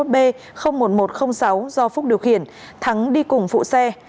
tám mươi một b một nghìn một trăm linh sáu do phúc điều khiển thắng đi cùng phụ xe